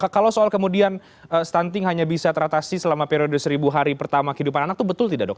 kalau soal kemudian stunting hanya bisa teratasi selama periode seribu hari pertama kehidupan anak itu betul tidak dok